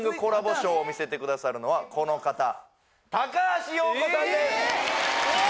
ショーを見せてくださるのはこの方高橋洋子さんです！